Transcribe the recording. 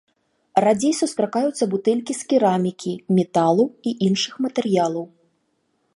Радзей сустракаюцца бутэлькі з керамікі, металу і іншых матэрыялаў.